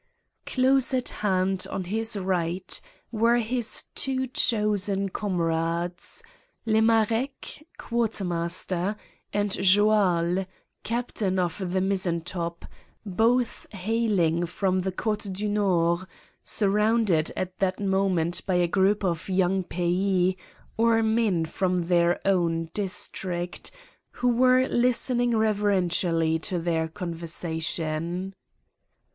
Close at hand, on his right, were his two chosen comrades, Le Marec, quartermaster, and Joal, captain of the mizzen top, both hailing from the Côtes du Nord, surrounded at that moment by a group of young pays—or men from their own district—who were listening reverentially to their conversation.